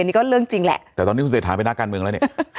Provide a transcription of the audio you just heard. อันนี้ละก็เรื่องจริงแหละแล้วตอนนี้คุณเศรษฐาเป็นหน้าการเมืองละเนี่ย